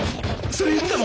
それ言ったの？